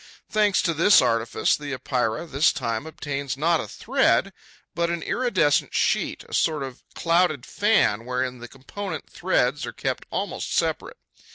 Thanks to this artifice, the Epeira this time obtains not a thread, but an iridescent sheet, a sort of clouded fan wherein the component threads are kept almost separate.